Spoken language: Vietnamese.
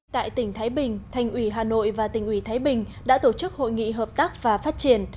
tại tỉnh thái bình thành ủy hà nội và tỉnh ủy thái bình đã tổ chức hội nghị hợp tác và phát triển